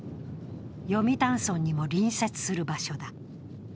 読谷村にも隣接する場所だ。